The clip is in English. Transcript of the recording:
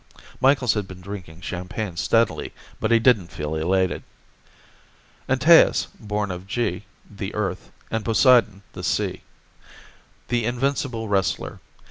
Micheals had been drinking champagne steadily, but he didn't feel elated. Antaeus, born of Ge, the Earth, and Poseidon, the Sea. The invincible wrestler.